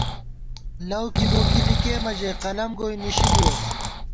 لؤ کِبوکی لِکېمہ ژَئی قلَم گوئی نِشِی بُوَہ